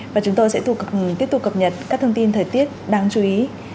và chúng tôi sẽ tiếp tục cập nhật các thông tin thời tiết đáng chú ý